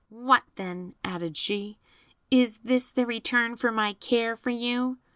"What, then," added she, "is this the return for my care of you?"